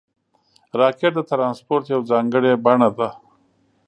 راکټ د ترانسپورټ یوه ځانګړې بڼه ده